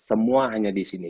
semua hanya di sini